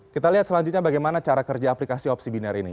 kita lihat selanjutnya bagaimana cara kerja aplikasi opsi binar ini